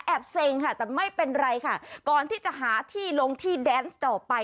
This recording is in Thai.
เซ็งค่ะแต่ไม่เป็นไรค่ะก่อนที่จะหาที่ลงที่แดนส์ต่อไป